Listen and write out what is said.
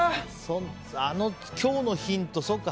あの今日のヒント、そうか。